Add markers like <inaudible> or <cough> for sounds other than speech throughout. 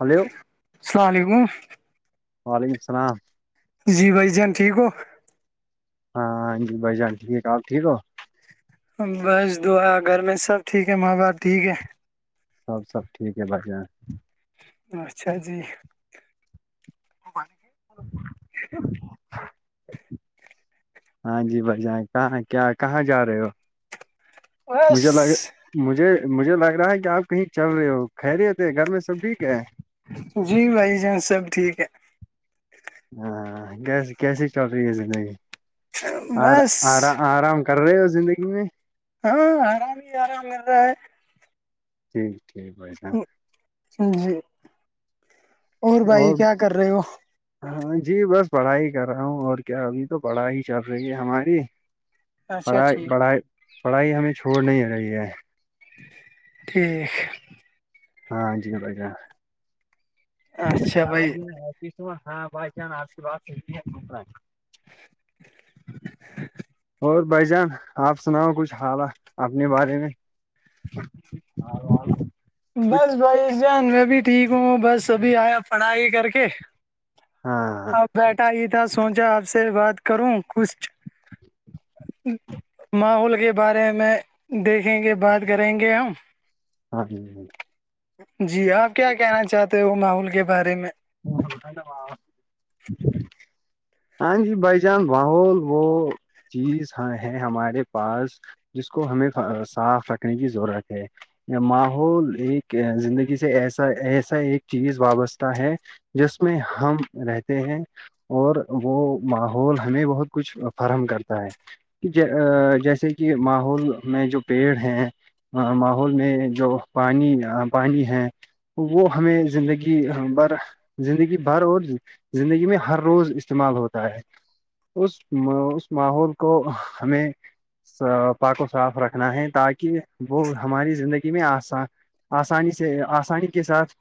hello السلام علیکم وعلیکم السلام جی بھائی جان ٹھیک ہو ہاں ہاں جی بھائی جان ٹھیک آپ ٹھیک ہو بس دعا گھر میں سب ٹھیک ہے ماں باپ ٹھیک ہے سب سب ٹھ عگ ہے اچھا جی ا ہاں جی بھائی جان کہاں کیا کہاں جا رہے ہو بس مجھے لگجھے مجھے لگ رہا ہے کہ آپ کہیں چل رہے ہو کہ رہے ہو تھے گھر میں سب ٹھیک ہے جی بھائی جان سب ٹھیک ہے ہاں کیسی چل رہی ہے زندگی آ بس آر آرام کر رہے ہو زندگی میں ہاں آرام ہی آرام م رہا ہے ٹھیک ٹھیک ہےھائی جی اور بھائی کیا کر رہے ہو ہاں جی بس پڑھائی کر رہا ہوں اور کیا ابھی تو پڑھائی چل رہی ہے ہماری اچھا پڑھائی ٹھیک پڑھائی پڑھائی ہمیں چھوڑ نہیں آ رہی ہے ٹھیک ہاں جی ب اچھا بھائی م ہاں بائی چانس آپ کی بات صحی ہے گا اور بھ جان آپ سناؤ کچھ حال اپنے بارے میں اور بس بھائی جان میں بھی ٹھیک ہوں بس سبھی آیا پڑھائی کر کے ہاں ا بیٹھا یہ تھا سوچا آپ سے بات کروں کچھ ماحول کے بارے میں دیکھیں گے بات کریں گے ہم ہاں ہ ہ جی آپ کیا کہنا چاہتے ہو ماحول کے بارے میں وہٹ ہاں جی بھائی جان بحول وہ چیزاں ہے ہمارے پاس جس کو ہمیں صاف رکھنے کی ضرورت ہے ماحول ایک زندگی سے ایسا ایسا ایک چیز وابستہ ہے جس میں ہم رہتے ہیں اور وہ ماحول ہمیں بہت کچھ فراہم کرتا ہے جیسے کہ ماحول میں جو پیڑ ہیں ماحول میں جو پانی پانی ہے وہ ہمیں زندگی بھر زندگی بھر اور زندگی میں ہر روز استعمال ہوتا ہے اس اس ماحول کو ہمیں پاکاک کو صاف رکھنا ہے تاکہ وہ ہماری زندگی میں آسان آسانی سے آسانی کے ساتھ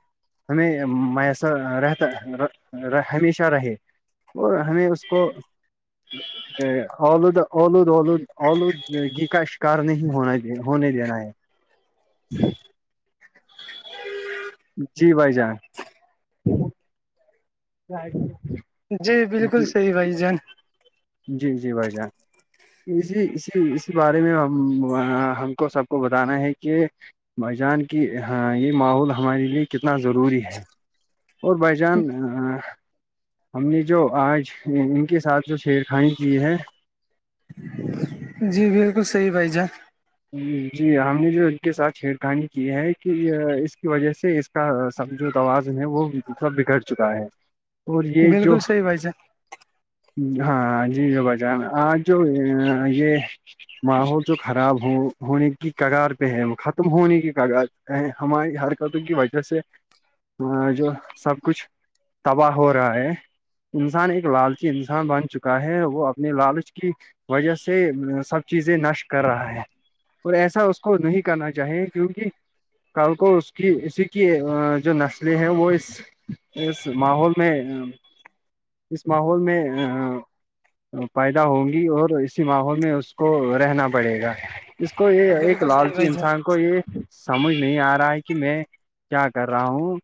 ہمیں میس رہتا ہمیشہ رہے اور ہمیں اس کو جی اود اولود اولود اولودگی کا شکار نہیں ہونا ہونے دینا ہے جی جی بھائی جان <unintelligible> گ جی بالکل صحیح بھائی جان جی جی بھائی جان اسی اسی اسی بارے میں ہم ہم کو سب کو بتانا ہے کہ بھائی جان کہ ہاں یہ ماحول ہمارے لیے کتنا ضروری ہے اور بھائی جان ہم نے جو آج ان کے ساتھ جو شیر کھائی کی ہے جی بالکل صحیح بھائی جان جی ہم نے جو ان کے ساتھ چھیڑخانی کی ہے کہ اس کی وجہ سے کا سب جو تواز ہے وہ مطلب بگڑ چکا ہے اور یہ جو بالکل صحیح بھائی جان ہاں جی جو بچان آج جو یہ ماحول جو خراب ہو ہونے کی کگار پہ ہے ختم ہونے کی کگار ہے ہماری حرکتوں کی وجہ سے ہاں جو سب کچھ تباہ ہو رہا ہے انسان ایک لالچی انسان بن چکا ہے وہ اپنے لالچ کی وجہ سے سب چیزیں نشٹ کر رہا ہے اور ایسا اس کو نہیں کرنا چاہیں کیونکہ کل کو اس کی اسی کی جو نسلیں ہیں وہ اس اس ماحول میں اس ماحول میں پیدا ہوں گی اور اسی ماحول میں اس کو رہنا پڑے گا اس کو یہ ایک بالکل صحیح لالچی بھائی انسان جان کو یہ سمجھ نہیں آ رہا ہے کہ میں کیا کر رہا ہوں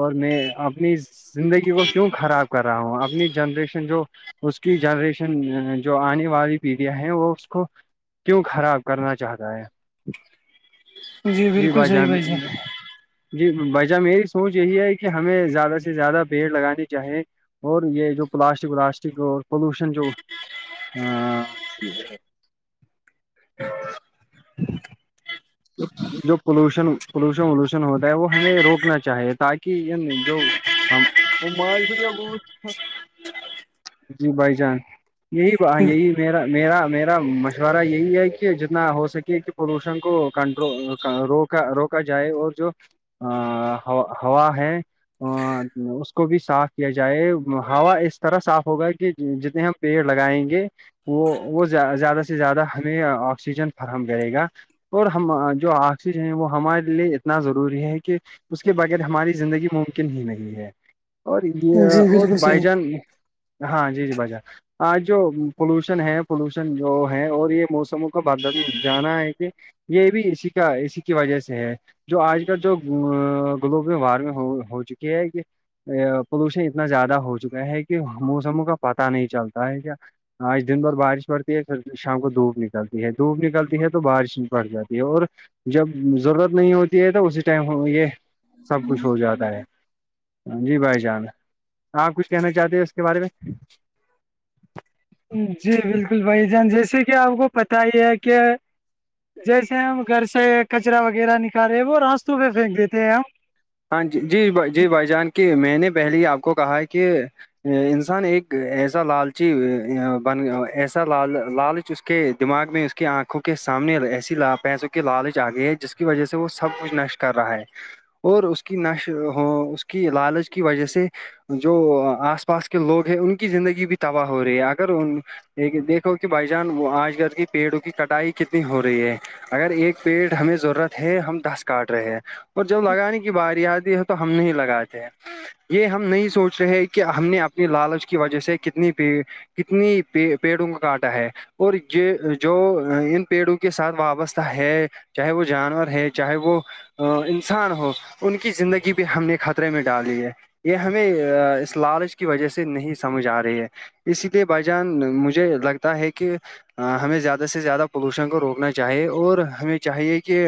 اور میں اپنی زندگی کو کیوں خراب کر رہا ہوں اپنی جنریشن جو اس کی جنریشن جو آنے والی پیڑیا ہے وہ اس کو کیوں خراب کرنا چاہتا ہے جی ب بالکل صحیح جان بھائی جی وجہ میری سوچ یہی ہے کہ ہمیں زیادہ سے زیادہ پیڑ لگانے چاہیں اور یہ جو پلاسٹک ولاسٹک اور پولوشن جو ہ جو پولوشن پولوشن وولوشن ہوتا ہے وہ ہمیں روکنا چاہیے تاکہ جو جی بائی چانس یہی یہی میرا میرا میرا مشورہ یہی ہے کہ جتنا ہو سکے کہ پولوشن کو کنٹر روکا روکا جائے اور جو ہوا ہے اس کو بھی صاف کیا جائے ہوا اس طرح صاف ہوگا کہ جتنے ہم پیڑ لگائیں گے وہ وہ زیادہ سے زیادہ ہمیں آکسیجن فراہم کرے گا اور ہم جو آکسیجن ہے وہ ہمارے لیے اتنا ضروری ہے کہ اس کے بغیر ہماری زندگی ممکن ہی نہیں ہے اور یہ جی اور بالکل بائی صحیح جان ہاں جی جی بائی جان آج جو پولوشن ہے پولوشن جو ہے اور یہ موسموں کا ب جانا ہے کہ یہ بھی اسی کا اسی کی وجہ سے ہے جو آج کل جو گلوبل وارمنگ ہو چکی ہے کہ پولوشن اتنا زیادہ ہو چکا ہے کہ موسموں کا پتا نہیں چلتا ہے کیا آج دن بھر بارش پڑتی ہے پھر شام کو دھوپ نکلتی ہے دھوپ نکلتی ہے تو بارش نہیں بڑھ جاتی ہے اور جب ضرورت نہیں ہوتی ہے تو اسی ٹائم یہ سب کچھ ہو جاتا ہے جی بھائی جان آپ کچھ کہنا چاہتے ہیں اس کے بارے میں جی بالکل بھائی جان جیسے کہ آپ کو پتا ہی ہے کہ جیسے ہم گھر سے کچرا وغیرہ نکالے ہیں وہ راستوں پہ پھینک دیتے ہیں ہم ہاں جی جی جی بھائی جان کی میں نے پہلے ہی آپ کو کہا ہے کہ انسان ایک ایسا لالچی بن ایسا لال لالچ اس کے دماغ میں اس کی آنکھوں کے سامنے ایسی لاپ ہے جو کہ لالچ آ گئی ہے جس کی وجہ سے وہ سب کچھ نشٹ کر رہا ہے اور اس کی نش ہو اس کی لالچ کی وجہ سے جو آس پاس کے لوگ ہیں ان کی زندگی بھی تباہ ہو رہی ہے اگر ان د دیکھو کہ بھائی جان آج کل کی پیڑوں کی کٹائی کتنی ہو رہی ہے اگر ایک پیٹ ہمیں ضرورت ہے ہم دس کاٹ رہے ہیں اور جب لگا نہیں کی بار آدی ہے تو ہم نہیں لگاتے یہ ہم نہیں سوچ رہے کہ ہم نے اپنی لالچ کی وجہ سے کتنی بھی کتنی پیڑوں کا کانٹا ہے اور یہ جو ان پیڑوں کی کے ساتھ وابستہ ہے چاہے وہ جانور ہے چاہے وہ انسان ہو ان کی زندگی پہ ہم نے کھا خطرے میں ڈالی ہے یہ ہمیں اس لالچ کی وجہ سے نہیں سمجھ آ رہی ہے اسی لیے بھائی جان مجھے لگتا ہے کہ ہمیں زیادہ سے زیادہ پولوشن کو روکنا چاہیے اور ہمیں چاہیے کہ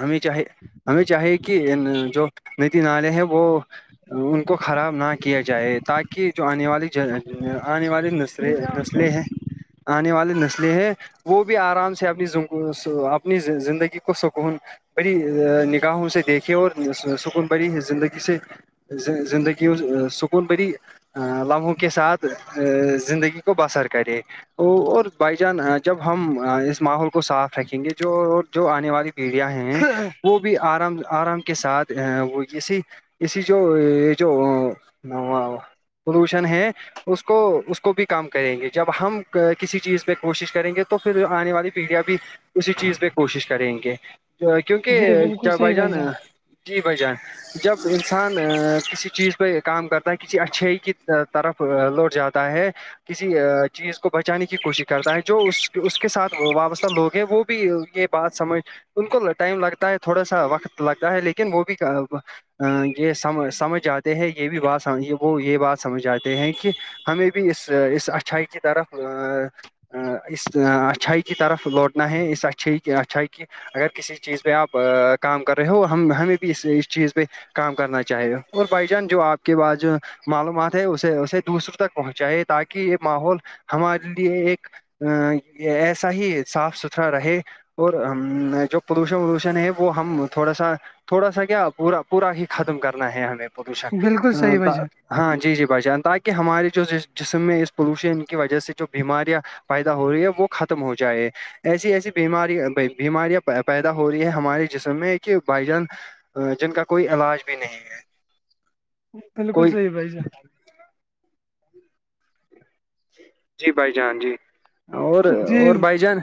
ہمیں چاہے ہمیں چاہے کہ جو نیتی نلے ہے وہ ان کو خراب نہ کیا جائے تاکہ جو آنے والی آنے والی اسسلے ہے آنے والی نسلیں ہیں وہ بھی آرام سے اپنی اپنی زندگی کو سکون بڑی نگاہوں سے دیکھے اور سکون بڑری زندگی سے زندگی ہ سکون بری لمحوں کے ساتھ زندگی کو بسر کرے اور بائی جان جب ہم اس ماحول کو صاف رکھیں گے جو جو آنے والی پیڑیا ہیں ہم وہ بھی آرام آرام کے ساتھ وہ جے اسی جو یہ جو پولوشن ہے اس کو اس کو بھی کام کریں گے جب ہم کسی چیز پہ کوشش کریں گے تو پھر آنے والی پیڑھیاں بھی اسی چیز پہ کوشش کریں گے جی کیونکہ بالکل کیا بھائی صحیح جان جی بھائی جان جب انسان کسی چیز پہ کام کرتا ہے کسی اچھائی کی طرف لوٹ جاتا ہے کسی چیز کو بچانے کی کوشش کرتا ہے جو اس اس کے ساتھ وابستہ لوگ ہیں وہ بھی یہ بات سمجھ ان کو ٹائم لگتا ہے تھوڑا سا وقت لگتا ہے لیکن وہ بھی ا یہ سم سمجھ جاتے ہیں یہ بھی بات وہ یہ بات سمجھ جاتے ہیں کہ ہمیں بھی اس اس اچھائی کی طرف اس اچھائی کی طرف لوٹنا ہے اس اچھائی کی اچھائی کی اگر کسی چیز پہ آپ کام کر رہے ہو ہم ہمیں بھی اس اس چیز پہ کام کرنا چاہے اور بھائی جان جو آپ کے پاس معلومات ہے اسے اسے دوسروں تک پہنچائے تاکہ یہ ماحول ہمارے لیے ایک ا ایسا ہی صاف ستھرا رہے اور جو پلوشن ولشن ہے وہ ہم تھوڑا سا تھوڑا سا کیا پورا پورا ہی ختم کرنا ہے ہمیں پدشا بالکل صحیح بھائی ا جان ہاں جی جی بھائی جان تاکہ ہمارے جو جسم میں اس پولوشن کی وجہ سے جو بیماریاں پیدا ہو رہی ہے وہ ختم ہو جائے ایسی ایسی بیماری بیماریاں پیدا ہو رہی ہیں ہمارے جسم میں ہے کہ بائی جان جن کا کوئی علاج بھی نہیں ہے بالکل کوئی صحی بھائی ج جی بھائی جان جی اور جی اور بھائی جان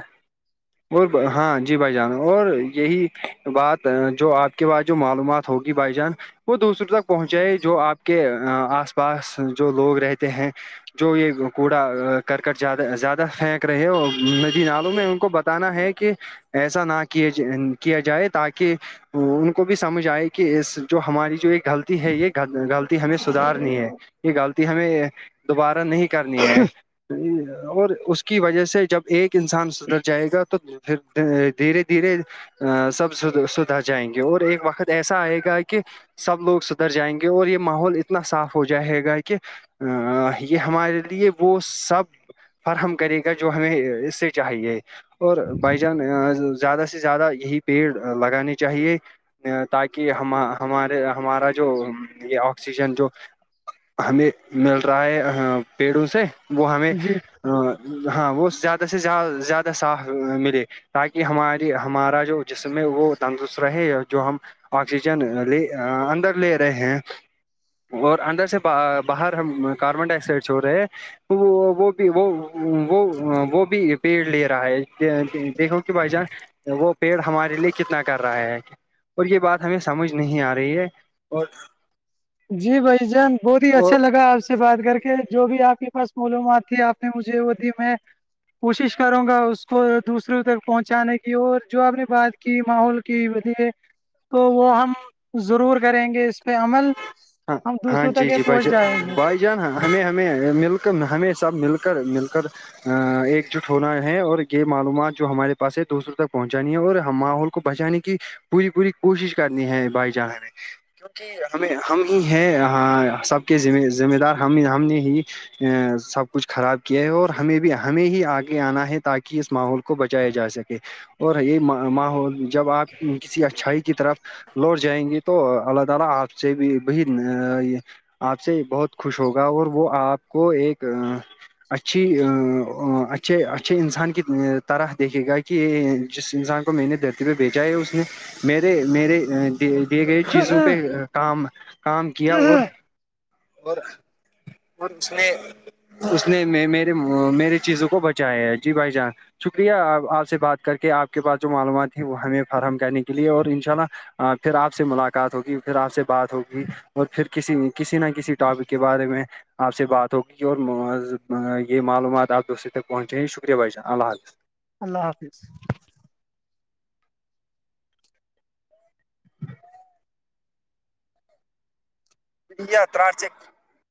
اور ہاں جی بھائی جان اور یہی بات جو آپ کے پاس جو معلومات ہوگی بائی جان وہ دوسروں تک پہنچائے جو آپ کے آس پاس جو لوگ رہتے ہیں جو یہ کرکٹیاد زیادہ پھینک رہے ہیں اور ندی نلوم میں ان کو بتانا ہے کہ ایسا نہ کیا ج کیا جائے تاکہ وہ ان کو بھی سمجھ آئے کہ جو ہماری جو ایک غلطی ہے یہ غلطی ہمیں سدارنی ہے یہ غلطی ہمیں دوبارہ نہیں کرنی ہے اور اس کی وجہ سے جب ایک انسان سدھر جائے گا تو پھر دھیرے دھیرے ا سب سدھر جائیں گے اور ایک وقت ایسا آئے گا کہ سب لوگ سدھر جائیں گے اور یہ ماحول اتنا صاف ہو جائے گا کہ ا یہ ہمارے لیے وہ سب فراہم کرے گا جو ہمیں اس سے چاہیے اور بھائی جان زیادہ سے زیادہ یہی پیڑ لگانے چاہیے تاکہ ہم ہمارے ہمارا جو یہ آکسیجن جو ہمیں مل رہا ہے پیڑوں سے وہ ہمیں جی ہ ہاں وہ زیادہ سے ز زیادہ صاف ملے تاکہ ہماری ہمارا جو جسم ہے وہ تندرست رہے جو ہم آکسیجن لے اندر لے رہے ہیں اور اندر سے باہر ہم کاربن ڈائی آکسائڈ چو رہے ہیں وہ بھی وہ وہ وہ بھی پیڑ لے رہا ہے دیکھو کہ بھائی جانس وہ پیڑ ہمارے لیے کتنا کر رہا ہے اور یہ بات ہمیں سمجھ نہیں آ رہی ہے اور جی بھ جان بہت ہی اچھا لگا آپ سے سے بات کر کے جو بھی آپ کے پاس معلومات تھی آپ نے مجھے وہ دی میں کوشش کروں گا اس کو دوسروں تک پہنچانے کی اور جو آپ نے بات کی ماحول کی و ہے تو وہ ہم ضرور کریں گے اس پہ عمل ہم دوسروں تک یہ پہنچ جائیں گے ن ہمیں ہمیں مل کر ہمیں سب مل کر مل کر ایکجٹ ہونا ہے اور یہ معلومات جو ہمارے پاس ہے دوسروں تک پہنچانی ہے اور ہم ماحول کو بچانے کی پوری پوری کوشش کرنی ہے بھائی جاں ہمیں کیونکہ ہمیں ہم ہی ہیں سب کے ذ ذمہ دار ہم ہم نے ہی ا سب کچھ خراب کیا ہے اور ہمیں بھی ہمیں ہی آگے آنا ہے تاکہ اس ماحول کو کو بچایا جا سکے اور یہ ماحول جب آپ کسی اچھائی کی طرف لوٹ جائیں گے تو اللہ تلا آپ سے بھی بی یہ آپ سے بہت خوش ہوگا اور وہ آپ کو ایک اچھی ا اچھے اچھے انسان کی طرح دیکھے گا جس انسان کو میں نے دھرتی پہ بھیچا ہے اس نے میر میر دی گئے چیزوں گے پہ کام کام کیا اور اور اور اس نے اس نے میرے میرے چیزوں کو بچایا ہے جی بھائی جان شکریہ آپ آپ سے بات کر کے آپ کے پاس جو معلومات ہیں وہ ہمیں فراہم کرنے کے لیے اور انشاء اللہ پھر آپ سے ملاقات ہوگی پھر آپ سے بات ہوگی اور پھر کسی کسی نہ کسی ٹاپک کے بارے میں آپ سے بات ہوگی اور یہ معلومات آپ دوسرے تک پہنچیں گے شکریہ بھائی جان اللہ حافظ اللہ حافظ بیا ترار سےک